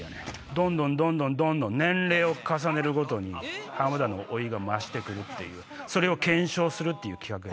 どんどんどんどんどんどん年齢を重ねるごとに浜田の老いが増して来るっていうそれを検証するっていう企画。